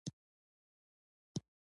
له تاریخي، پلوه د کلمو پر ریښو غږېږي.